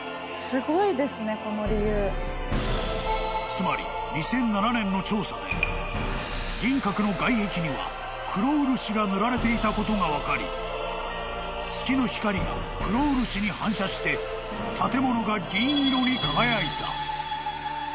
［つまり２００７年の調査で銀閣の外壁には黒漆が塗られていたことが分かり月の光が黒漆に反射して建物が銀色に輝いた］